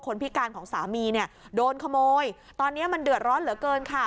พิการของสามีเนี่ยโดนขโมยตอนนี้มันเดือดร้อนเหลือเกินค่ะ